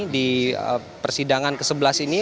di persidangan ke sebelas ini